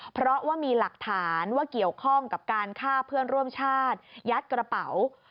เพราะว่ามีหลักฐานว่าเกี่ยวข้องกับการฆ่าเพื่อนร่วมชาติยัดกระเป๋า